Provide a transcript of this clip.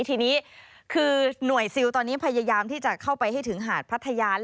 ทีนี้คือหน่วยซิลตอนนี้พยายามที่จะเข้าไปให้ถึงหาดพัทยา